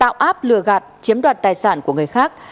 tạo áp lừa gạt chiếm đoạt tài sản của người khác